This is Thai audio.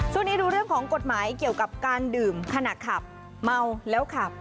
ช่วงนี้ดูเรื่องของกฎหมายเกี่ยวกับการดื่มขณะขับเมาแล้วขับ